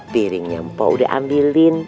piringnya mpo udah ambilin